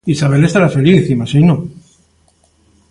Isabel estará feliz, imaxino?